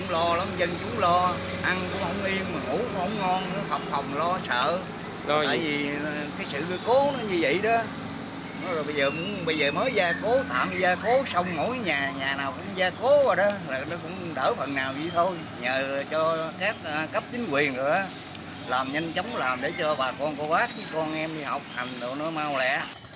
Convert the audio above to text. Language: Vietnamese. làm nhanh chóng làm để cho bà con cô bác con em đi học hành nữa nó mau lẻ